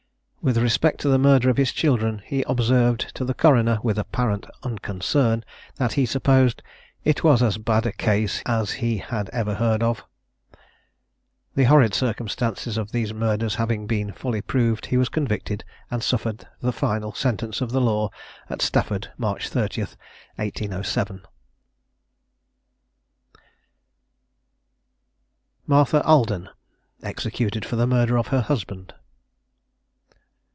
With respect to the murder of his children, he observed to the coroner, with apparent unconcern, that he supposed "it was as bad a case as ever he heard of." The horrid circumstances of these murders having been fully proved, he was convicted, and suffered the final sentence of the law at Stafford, March 30th 1807. MARTHA ALDEN. EXECUTED FOR THE MURDER OF HER HUSBAND.